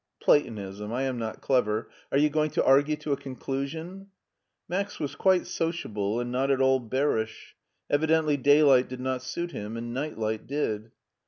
" Platonism. I am not clever. Are you going to argue to a conclusion ?" Max was quite sociable and not at all bearish. Evidently daylight did not suit him and nightlight did.